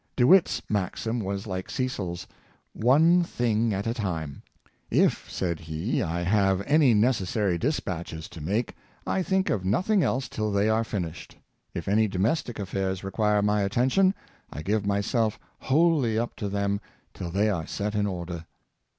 De Witt's maxim was like Cecil's: " One thing at a time." '^ If," said he, " I have any necessary dispatches to make, I think of noth ing else till they are finished; if any domestic affairs require my attention, I give myself wholly up to them till they are set in order."